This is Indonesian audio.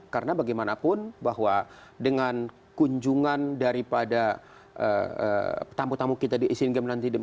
karena bagaimanapun bahwa dengan kunjungan daripada tamu tamu kita di asian games nanti